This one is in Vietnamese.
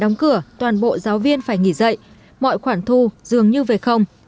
trong khi đóng cửa toàn bộ giáo viên phải nghỉ dậy mọi khoản thu dường như về không